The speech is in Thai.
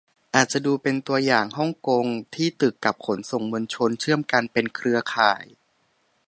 อาจจะดูตัวอย่างฮ่องกง ที่ตึกกับขนส่งมวลชนเชื่อมกันเป็นเครือข่าย